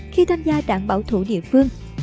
khi tham gia đảng bảo thủ địa phương